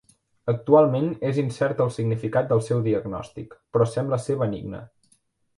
Actualment és incert el significat del seu diagnòstic, però sembla ser benigna.